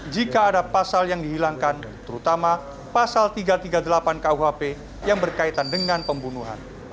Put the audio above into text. jika ada pasal yang dihilangkan terutama pasal tiga ratus tiga puluh delapan kuhp yang berkaitan dengan pembunuhan